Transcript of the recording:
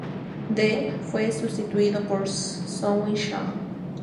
Dee fue sustituido por Snowy Shaw.